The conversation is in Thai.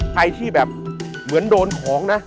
ใครที่แบบเหมือนโดนของนะ